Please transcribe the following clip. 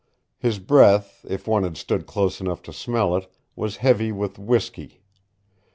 His breath, if one had stood close enough to smell it, was heavy with whiskey.